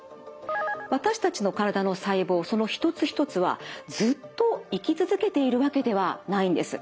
私たちの体の細胞その一つ一つはずっと生き続けているわけではないんです。